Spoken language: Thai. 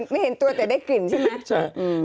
ไม่เห็นตัวแต่ได้กลิ่นใช่ไหม